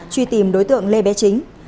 truy tìm đối tượng lê bé chính